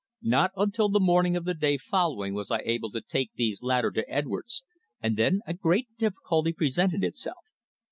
Not until the morning of the day following was I able to take these latter to Edwards, and then a great difficulty presented itself.